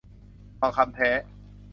ทองคำแท้